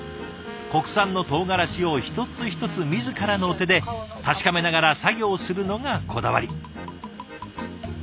国産のとうがらしを一つ一つ自らの手で確かめながら作業をするのがこだわり。